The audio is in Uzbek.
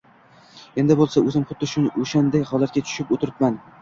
Endi boʻlsa oʻzim xuddi oʻshanday holatga tushib oʻtiribman.